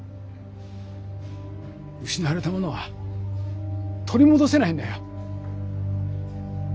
失われたものは取り戻せないんだよ。